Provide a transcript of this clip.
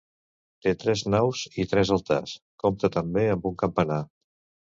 Té tres naus i tres altars, compta també amb un campanar.